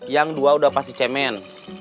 yang dua udah pasti cemen